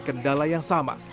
kendala yang sama